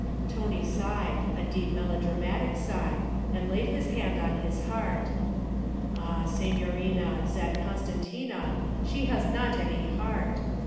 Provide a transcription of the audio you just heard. Tony sighed a deep melodramatic sigh and laid his hand on his heart. 'Ah, signorina, zat Costantina, she has not any heart.